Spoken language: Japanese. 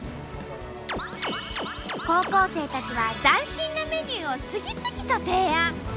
高校生たちは斬新なメニューを次々と提案。